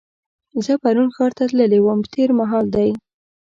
زه پرون ښار ته تللې وم تېر مهال دی.